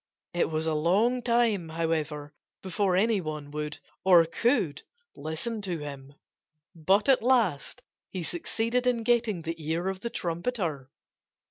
It was a long time, however, before anyone would or could listen to him. But at last he succeeded in getting the ear of the trumpeter.